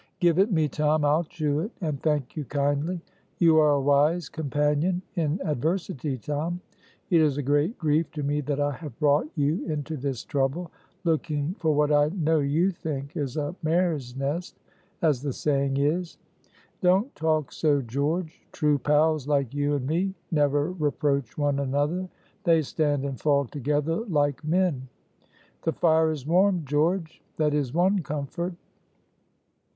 "Give it me, Tom; I'll chew it, and thank you kindly. You are a wise companion in adversity, Tom; it is a great grief to me that I have brought you into this trouble, looking for what I know you think is a mare's nest, as the saying is." "Don't talk so, George. True pals like you and me never reproach one another. They stand and fall together like men. The fire is warm, George that is one comfort."